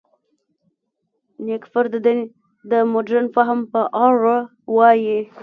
نېکفر د دین د مډرن فهم په اړه وايي.